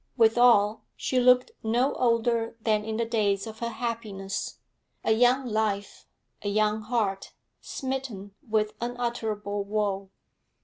Withal, she looked no older than in the days of her happiness; a young life, a young heart, smitten with unutterable woe.